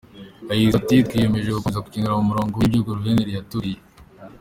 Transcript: Yagize ati “Twiyemeje gukomeza kugendera mu murongo w’ibyo Guverineri yatubwiye.